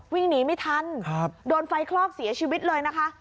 วิ่งหนีไม่ทันโดนไฟคลอกเสียชีวิตเลยนะคะ